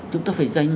chúng ta phải dành